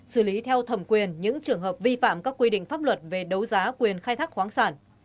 xử lý theo thẩm quyền những trường hợp vi phạm các quy định pháp luật về đấu giá quyền khai thác khoáng sản